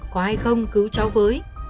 có ai không cứu cháu với